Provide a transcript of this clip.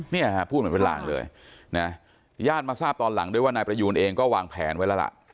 เนี่ยฮะพูดเหมือนเป็นลางเลยนะญาติมาทราบตอนหลังด้วยว่านายประยูนเองก็วางแผนไว้แล้วล่ะ